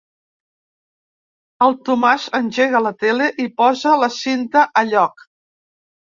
El Tomàs engega la tele i posa la cinta a lloc.